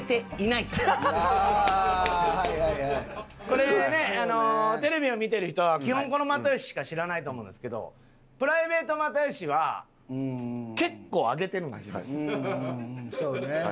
これねテレビを見てる人は基本この又吉しか知らないと思うんですけどプライベート又吉はうんうんそうね。